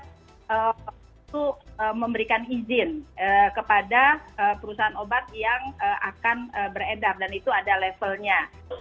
untuk memberikan izin kepada perusahaan obat yang akan beredar dan itu ada levelnya